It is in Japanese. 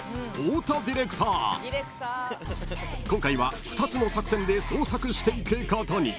［今回は２つの作戦で捜索していくことに］